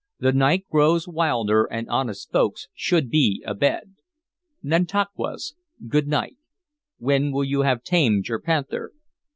"The night grows wilder, and honest folks should be abed. Nantauquas, good night. When will you have tamed your panther?"